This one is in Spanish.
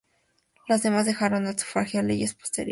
Las demás dejaron el sufragio a leyes posteriores.